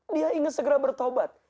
dia ingin segera bertobat